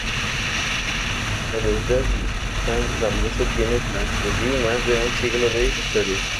La Universidad san Dámaso tiene tras de sí más de un siglo de historia.